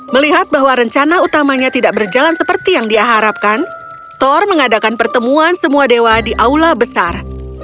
melihat bahwa rencana utamanya tidak berjalan seperti yang diharapkan thor mengadakan pertemuan semua dewa di aula besar